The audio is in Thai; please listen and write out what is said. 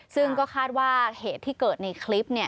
ซึ่งก็คาดว่าเหตุที่เกิดในคลิปเนี่ย